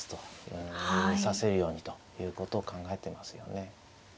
うん指せるようにということを考えてますよね。